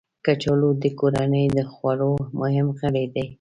کچالو د کورنۍ د خوړو مهم غړی دی